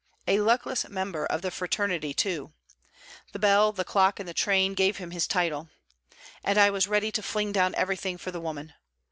A luckless member of the fraternity too! The bell, the clock and the train gave him his title. 'And I was ready to fling down everything for the woman!'